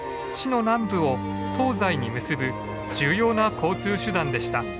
市の南部を東西に結ぶ重要な交通手段でした。